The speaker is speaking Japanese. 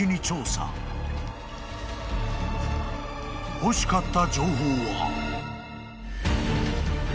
［欲しかった情報は］